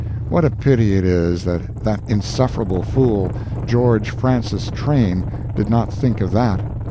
What a pity it is that that insufferable fool, George Francis Train, did not think of that.